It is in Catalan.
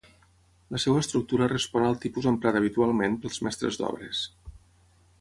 La seva estructura respon al tipus emprat habitualment pels mestres d'obres.